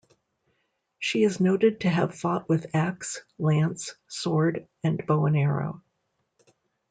She is noted to have fought with ax, lance, sword, and bow and arrow.